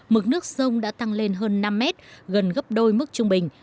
mực nước sông đã tăng lên hơn năm mét gần gấp đôi mức trung bình